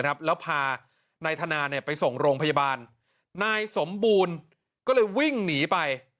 แล้วพานายธนาไปส่งโรงพยาบาลนายสมบูรณ์ก็เลยวิ่งหนีไป